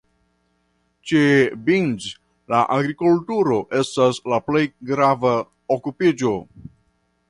Ĉe Bhind la agrikulturo estas la plej grava okupiĝo.